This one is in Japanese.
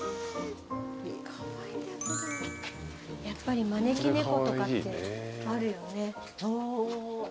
やっぱり招き猫とかってあるよね。